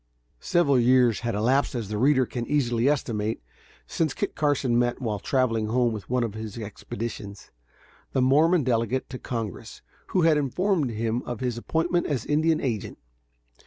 Several years have elapsed, as the reader can easily estimate, since Kit Carson met, while traveling home from one of his expeditions, the Mormon delegate to Congress who had first informed him of his appointment as Indian agent.